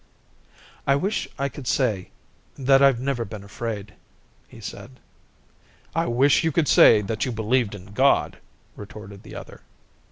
"I wish I could say that I've never been afraid," he said. "I wish you could say that you believed in God," retorted the other.